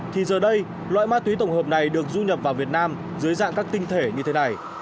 thì giờ đây loại ma túy tổng hợp này được du nhập vào việt nam dưới dạng các tinh thể như thế này